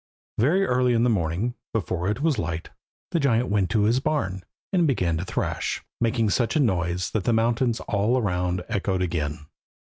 Very early in the morning, before it was light, the giant went to his barn, and began to thrash, making such a noise that the mountains all around echoed again.